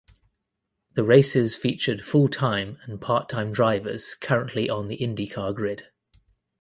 The races featured full time and part time drivers currently on the Indycar grid.